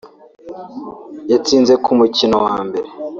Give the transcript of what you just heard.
yatsinze ku mukino wa mbere